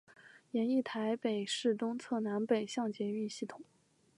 研议台北市东侧南北向捷运系统。